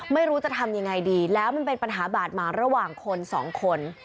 ไม่รู้จะทำยังไงดีแล้วมันเป็นปัญหาบาดหมางระหว่างคนสองคน